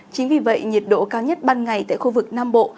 chính vì vậy nhiệt độ cao nhất ban ngày tại khu vực nam bộ